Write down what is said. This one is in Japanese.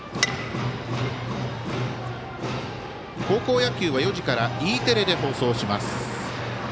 高校野球は４時からＥテレで放送します。